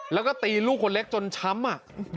แล้วก็ตีลูกคนเล็กจนช้ำอ่ะ